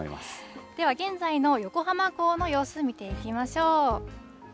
では現在の横浜港の様子、見ていきましょう。